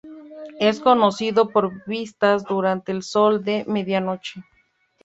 Es conocido por sus vistas durante el sol de medianoche.